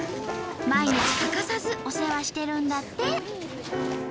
毎日欠かさずお世話してるんだって。